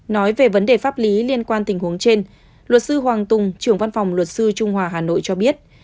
nói về vấn đề pháp lý liên quan tình huống trên luật sư hoàng tùng trưởng văn phòng luật sư trung hòa hà nội cho biết